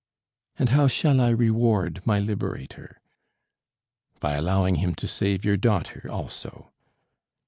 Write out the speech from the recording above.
"And how shall I reward my liberator?" "By allowing him to save your daughter also."